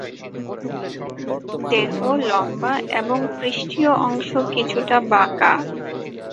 দেহ লম্বা এবং পৃষ্ঠীয় অংশ কিছুটা বাঁকা।